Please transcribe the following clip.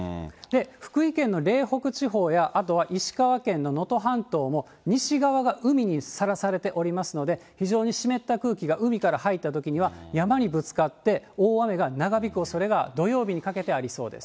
福井県の嶺北地方やあとは石川県の能登半島も、西側が海にさらされておりますので、非常に湿った空気が海から入ったときには、山にぶつかって、大雨が長引く恐れが、土曜日にかけてありそうです。